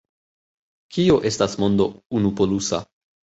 Kio estas mondo unupolusa?